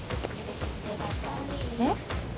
えっ？